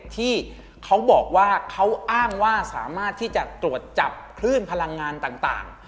ที่เขาบอกว่าเขาอ้างว่าสามารถที่จะตรวจจับคลื่นพลังงานต่าง